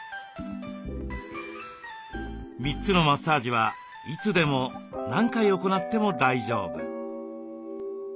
３つのマッサージはいつでも何回行っても大丈夫。